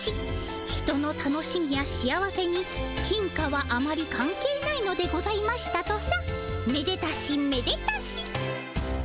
人の楽しみや幸せに金貨はあまり関係ないのでございましたとさ。